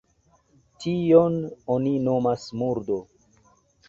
Tion oni nomas murdo.